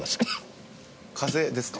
風邪ですか？